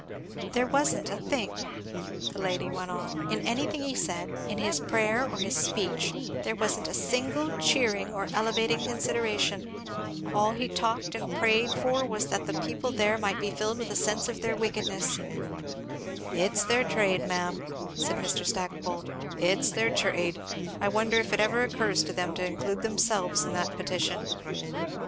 "There wasn't a thing," the lady went on, "in anything he said, in his prayer or his speech, there wasn't a single cheering or elevating consideration, all he talked and prayed for was that the people there might be filled with a sense of their wickedness " "It's their trade, ma'am," said Mr. Stackpole, "it's their trade! I wonder if it ever occurs to them to include themselves in that petition."